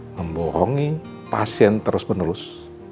membohongi pasien terus menerus